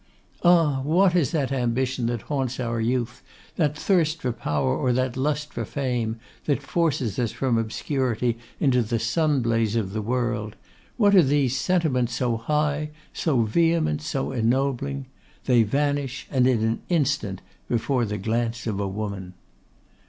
Ah! what is that ambition that haunts our youth, that thirst for power or that lust of fame that forces us from obscurity into the sunblaze of the world, what are these sentiments so high, so vehement, so ennobling? They vanish, and in an instant, before the glance of a woman!